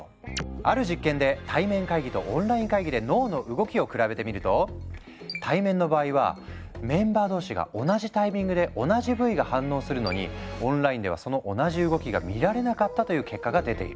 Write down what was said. ある実験で対面会議とオンライン会議で脳の動きを比べてみると対面の場合はメンバー同士が同じタイミングで同じ部位が反応するのにオンラインではその同じ動きがみられなかったという結果が出ている。